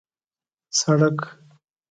سړک